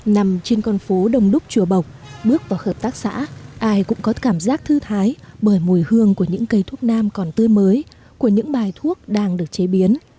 nằm trên con phố đông đúc chùa bộc bước vào hợp tác xã ai cũng có cảm giác thư thái bởi mùi hương của những cây thuốc nam còn tươi mới của những bài thuốc đang được chế biến